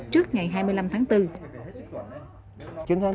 trước ngày hai mươi năm tháng bốn